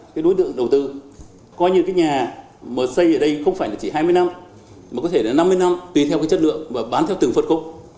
cái đối tượng đầu tư coi như cái nhà mà xây ở đây không phải là chỉ hai mươi năm mà có thể là năm mươi năm tùy theo cái chất lượng và bán theo từng phân khúc